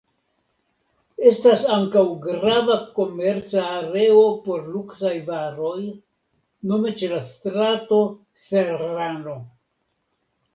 Estas ankaŭ grava komerca areo por luksaj varoj, nome ĉe la strato Serrano.